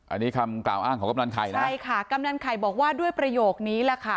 อันนี้คำกล่าวอ้างของกำนันไข่นะใช่ค่ะกำนันไข่บอกว่าด้วยประโยคนี้แหละค่ะ